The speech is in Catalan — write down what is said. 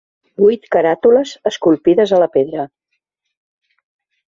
Vuit caràtules esculpides a la pedra.